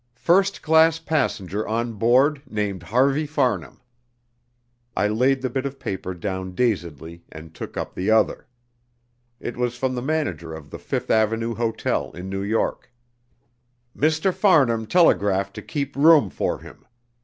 First class passenger on board named Harvey Farnham." I laid the bit of paper down dazedly and took up the other. It was from the manager of the Fifth Avenue Hotel, in New York. "Mr. Farnham telegraphed to keep room for him.